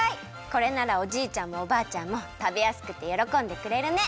これならおじいちゃんもおばあちゃんもたべやすくてよろこんでくれるね。